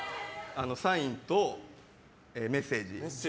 サインとメッセージ。